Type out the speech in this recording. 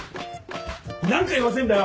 何回言わせんだよ！